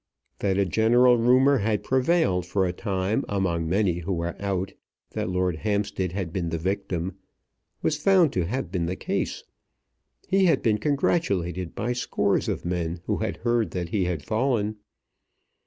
That a general rumour had prevailed for a time among many who were out that Lord Hampstead had been the victim, was found to have been the case. He had been congratulated by scores of men who had heard that he had fallen.